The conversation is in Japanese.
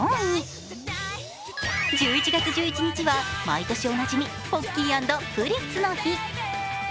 １１月１１日は毎年おなじみポッキー＆プリッツの日。